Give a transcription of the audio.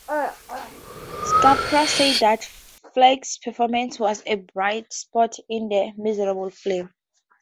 Capra said that Falk's performance was a bright spot in this miserable film.